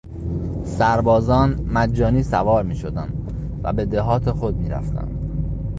سربازان مجانی سوار میشدند و به دهات خود میرفتند.